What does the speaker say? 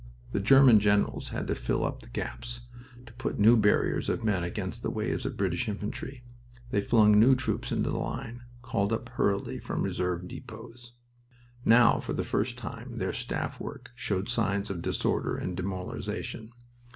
The German generals had to fill up the gaps, to put new barriers of men against the waves of British infantry. They flung new troops into the line, called up hurriedly from reserve depots. Now, for the first time, their staff work showed signs of disorder and demoralization.